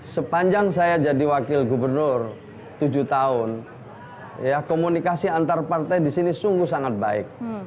sepanjang saya jadi wakil gubernur tujuh tahun komunikasi antar partai di sini sungguh sangat baik